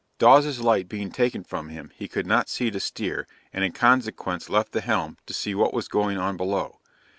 Dawes' light being taken from him, he could not see to steer, and he in consequence left the helm, to see what was going on below.